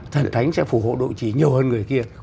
thần thánh sẽ phù hộ độ chỉ nhiều hơn người kia